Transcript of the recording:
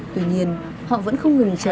tuy nhiên họ vẫn không ngừng chờ